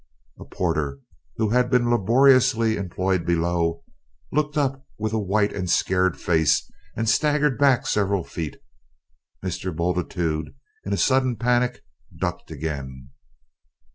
A porter, who had been laboriously employed below, looked up with a white and scared face, and staggered back several feet; Mr. Bultitude in a sudden panic ducked again.